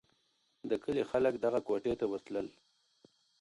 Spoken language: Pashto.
د کلي خلک دغه کوټې ته ورتلل.